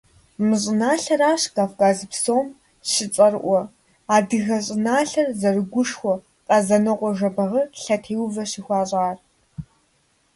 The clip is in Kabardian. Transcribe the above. Мы щӏыналъэращ Кавказ псом щыцӏэрыӏуэ, адыгэ щӏыналъэр зэрыгушхуэ Къэзэнокъуэ Жэбагъы лъэтеувэ щыхуащӏар.